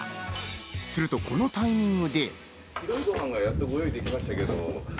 するとこのタイミングで。